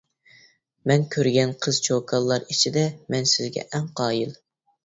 مەن كۆرگەن قىز چوكانلار ئىچىدە مەن سىزگە ئەڭ قايىل.